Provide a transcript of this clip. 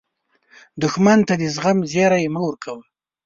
دښمن ته د زغم زیری مه ورکوه